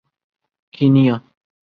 Kenya